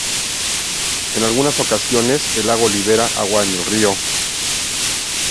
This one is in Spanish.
En algunas ocasiones, el lago libera agua en el río.